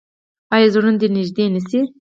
آیا زړونه دې نږدې نشي؟